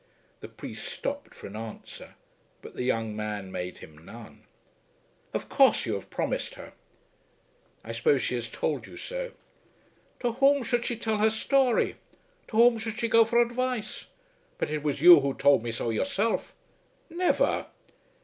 The priest stopped for an answer, but the young man made him none. "Of course you have promised her." "I suppose she has told you so." "To whom should she tell her story? To whom should she go for advice? But it was you who told me so, yourself." "Never."